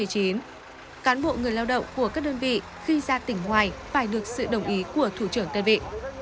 cán bộ người lao động của các đơn vị khi ra tỉnh ngoài phải được sự đồng ý của thủ trưởng đơn vị